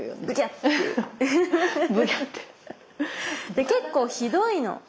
で結構ひどいの。